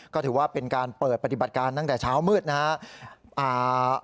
ก็ถือว่าเป็นการเปิดปฏิบัติการตั้งแต่เช้ามืดนะครับ